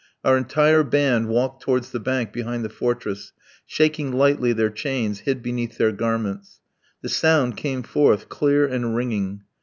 Our entire band walked towards the bank behind the fortress, shaking lightly their chains hid beneath their garments: the sound came forth clear and ringing.